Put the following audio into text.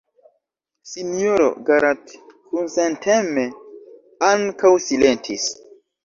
Sinjoro Garrat kunsenteme ankaŭ silentis.